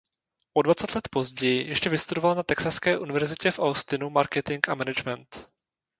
O dvacet let později ještě vystudoval na Texaské univerzitě v Austinu marketing a management.